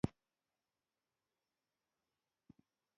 مناسب بازار ته لاسرسی د کروندګر اقتصاد ښه کوي.